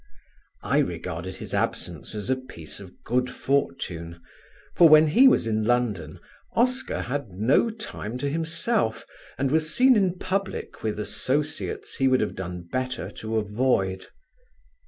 I regarded his absence as a piece of good fortune, for when he was in London, Oscar had no time to himself, and was seen in public with associates he would have done better to avoid.